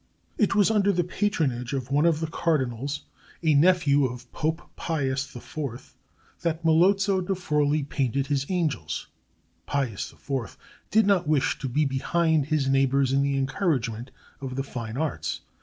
It was under the patronage of one of the cardinals, a nephew of Pope Pius IV, that Melozzo da Forlì painted his angels. Pius IV did not wish to be behind his neighbors in the encouragement of the fine arts.